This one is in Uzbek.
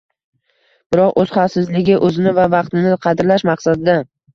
biroq o‘z xavfsizligi, o‘zini va vaqtini qadrlash maqsadida